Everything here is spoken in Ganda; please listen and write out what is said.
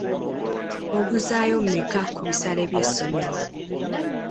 Obuzaayo mmeka ku bisale by'essomero?